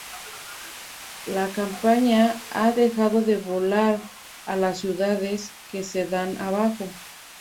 La compañía ha dejado de volar a las ciudades que se dan abajo.